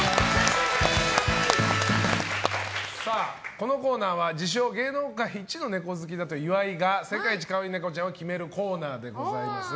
このコーナーは自称芸能界イチのネコ好きだという岩井が世界一可愛いネコちゃんを決めるコーナーでございます。